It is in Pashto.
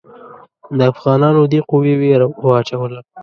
د افغانانو دې قوې وېره واچوله.